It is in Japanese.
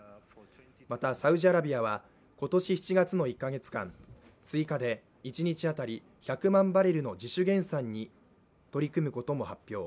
また、サウジアラビアは今年７月の１か月間、追加で一日当たり１００万バレルの自主減産に取り組むことも発表。